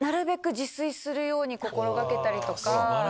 するように心がけたりとか。